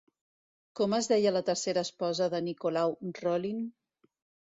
Com es deia la tercera esposa de Nicolau Rolin?